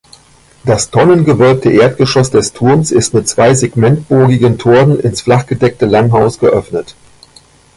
Das tonnengewölbte Erdgeschoss des Turms ist mit zwei segmentbogigen Toren ins flachgedeckte Langhaus geöffnet.